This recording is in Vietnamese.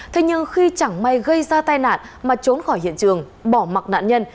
thế nhưng khi chẳng may gây ra tai nạn mà trốn khỏi hiện trường bỏ mặc nạn nhân